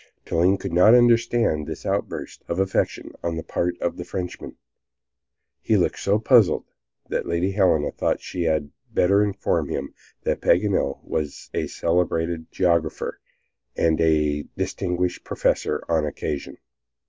Toline could not understand this outburst of affection on the part of the Frenchman, and looked so puzzled that Lady Helena thought she had better inform him that Paganel was a celebrated geographer and a distinguished professor on occasion.